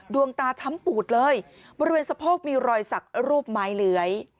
ดวงตาช้ำปูดเลยบริเวณสะโพกมีรอยสักรูปไม้เหลือย